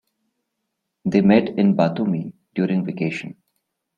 They met in Batumi during vacation.